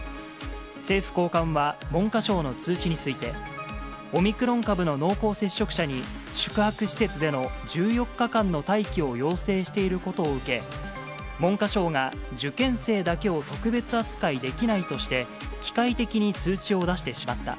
政府高官は、文科省の通知について、オミクロン株の濃厚接触者に、宿泊施設での１４日間の待機を要請していることを受け、文科省が受験生だけを特別扱いできないとして、機械的に通知を出してしまった。